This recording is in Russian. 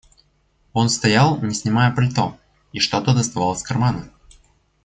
Он стоял, не снимая пальто, и что-то доставал из кармана.